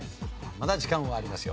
まだ時間はありますよ。